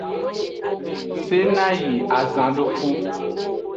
Sena yi azanduxu.